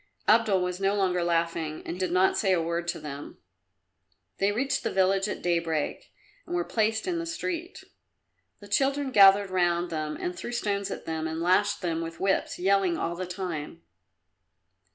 Abdul was no longer laughing, and did not say a word to them. They reached the village at daybreak and were placed in the street. The children gathered round them and threw stones at them and lashed them with whips, yelling all the time.